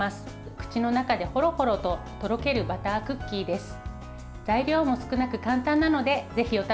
口の中でほろほろととろけるバタークッキーです。